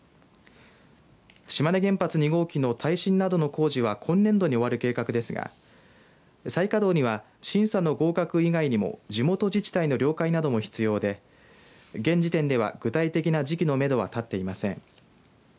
島根原発２号機の耐震などの工事は今年度に終わる計画ですが再稼働には、審査の合格以外にも地元自治体の了解なども必要で現時点では具体的な時期のめどはたっていません。